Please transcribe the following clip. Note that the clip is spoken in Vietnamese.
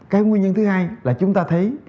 cái nguyên nhân thứ hai là chúng ta thấy